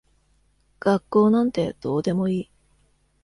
学校なんてどうでもいい。